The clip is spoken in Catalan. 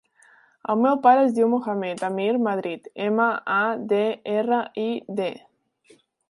El meu pare es diu Mohamed amir Madrid: ema, a, de, erra, i, de.